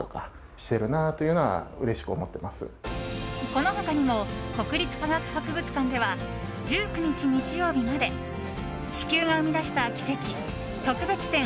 この他にも国立科学博物館では１９日、日曜日まで地球が生み出した奇跡特別展